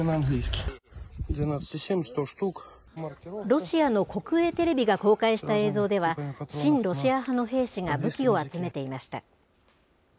ロシアの国営テレビが公開した映像では、親ロシア派の兵士が武器を集めていました。